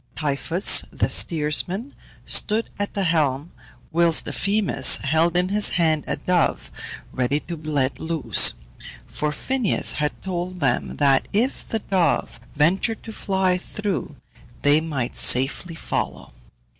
Typhus, the steersman, stood at the helm, whilst Euphemus held in his hand a dove ready to be let loose; for Phineus had told them that if the dove ventured to fly through, they might safely follow.